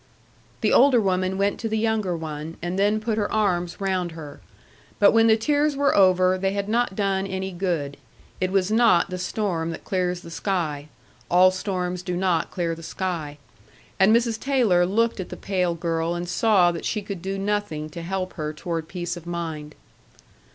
The older woman went to the younger one, and then put her arms round her. But when the tears were over, they had not done any good; it was not the storm that clears the sky all storms do not clear the sky. And Mrs. Taylor looked at the pale girl and saw that she could do nothing to help her toward peace of mind.